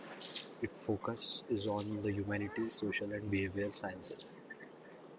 Its focus is on the humanities, social and behavioral sciences.